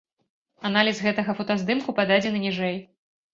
Аналіз гэтага фотаздымку пададзены ніжэй.